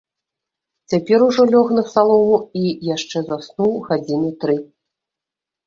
Цяпер ужо лёг на салому і яшчэ заснуў гадзіны тры.